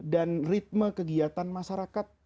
dan ritme kegiatan masyarakat